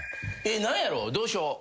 何やろうどうしよう。